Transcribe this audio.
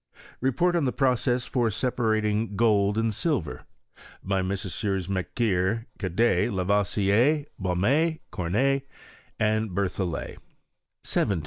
Report on the Process for separating Gold and Silver. By Messrs. Macqiier, Cadet, lavoisier* Baume, Cornette, and Berthollet.